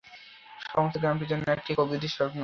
সমস্ত গ্রামটি যেন একটি কবির স্বপ্ন।